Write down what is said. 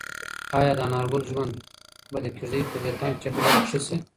ایا د انارګل ژوند به د کيږدۍ په دې تنګ چاپېریال کې ښه شي؟